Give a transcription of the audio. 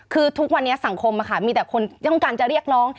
คือทุกวันนี้สังคมมีแต่คนต้องการจะเรียกร้อง